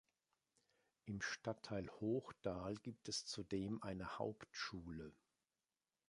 Im Stadtteil Hochdahl gibt es zudem eine Hauptschule.